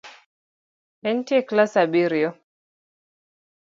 Entie e klas abirio